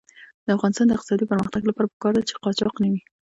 د افغانستان د اقتصادي پرمختګ لپاره پکار ده چې قاچاق نه وي.